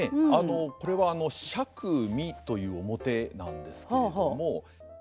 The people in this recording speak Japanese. これは曲見という面なんですけれども。